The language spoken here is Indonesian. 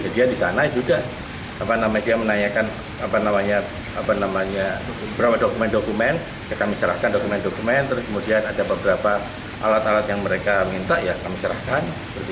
dia disana juga dia menanyakan berapa dokumen dokumen kami serahkan dokumen dokumen kemudian ada beberapa alat alat yang mereka minta kami serahkan